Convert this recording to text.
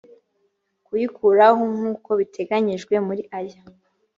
kuyikuraho nk uko biteganyijwe muri aya